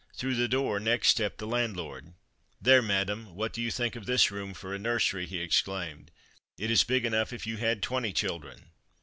Through the door next stepped the landlord. "There, madam, what do you think of this room for a nursery," he exclaimed, "it is big enough if you had twenty children."